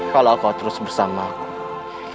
kalau kau terus bersamaku